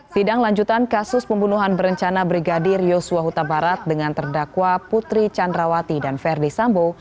sidang lanjutan kasus pembunuhan berencana brigadir yosua huta barat dengan terdakwa putri candrawati dan verdi sambo